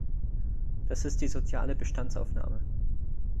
Das ist die soziale Bestandsaufnahme.